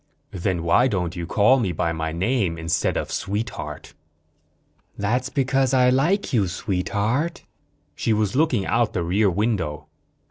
"Then why don't you call me by my name, instead of 'Sweetheart'?" "That's because I like you, Sweetheart." She was looking out the rear window.